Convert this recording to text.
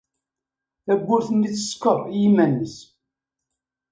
Tawwurt-nni tsekkeṛ i yiman-nnes.